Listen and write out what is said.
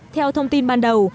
theo thông tin ban đầu